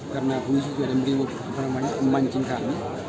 karena polisi juga ada memancing kami